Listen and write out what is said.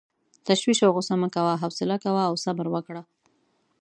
تشویش او غصه مه کوه، حوصله کوه او صبر وکړه.